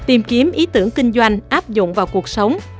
tìm kiếm ý tưởng kinh doanh áp dụng vào cuộc sống